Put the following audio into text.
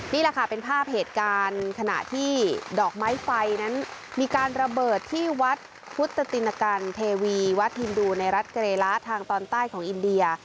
นี่แหละค่ะเป็นภาพเหตุการณ์ขณะที่ดอกไม้ไฟนั้นมีการระเบิดที่วัดพุทธตินกันเทวีวัดฮินดูในรัฐเกรละทางตอนใต้ของอินเดีย